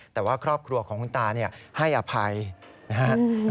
แต่ว่าครอบครัวของคุณตาให้อภัยนะครับ